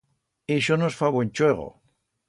Ixo nos fa buen chuego.